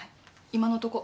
今のとこ。